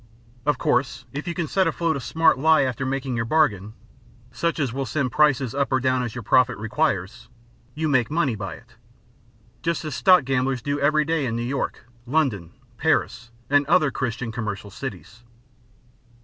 Of course if you can set afloat a smart lie after making your bargain, such as will send prices up or down as your profit requires, you make money by it, just as stock gamblers do every day in New York, London, Paris, and other Christian commercial cities.